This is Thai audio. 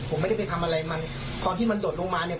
ผมไม่ได้ไปทำอะไรมันตอนที่มันโดดลงมาเนี่ย